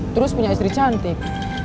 terus punya istri cantik